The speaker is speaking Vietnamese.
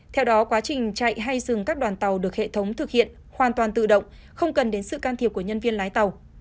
theo đó quá trình chạy hay dừng các đoàn tàu được hệ thống thực hiện hoàn toàn tự động không cần đến sự can thiệp của nhân viên lái tàu